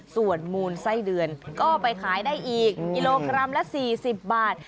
ส่วนมูลไส้เดือนก็ไปขายได้อีกกิโลกรัมละ๔๐บาท